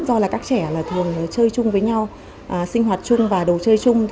do là các trẻ thường chơi chung với nhau sinh hoạt chung và đồ chơi chung